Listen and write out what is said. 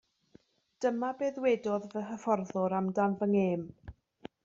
Dyma be ddwedodd fy hyfforddwr amdan fy ngêm